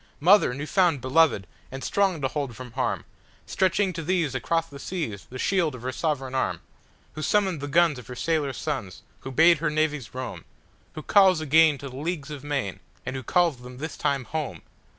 Mother! new found, beloved, and strong to hold from harm, Stretching to these across the seas the shield of her sovereign arm, Who summoned the guns of her sailor sons, who bade her navies roam, Who calls again to the leagues of main, and who calls them this time home!